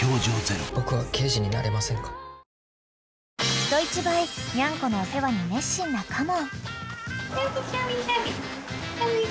［人一倍ニャンコのお世話に熱心な嘉門］